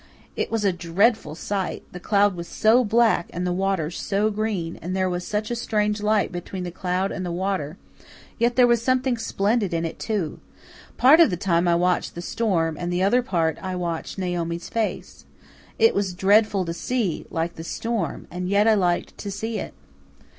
It was a dreadful sight the cloud was so black and the water so green, and there was such a strange light between the cloud and the water; yet there was something splendid in it, too. Part of the time I watched the storm, and the other part I watched Naomi's face. It was dreadful to see, like the storm, and yet I liked to see it.